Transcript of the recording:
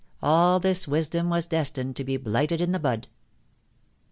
• All this wisdom was destined to be blighted in the bud.